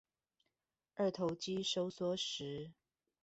二頭肌收縮時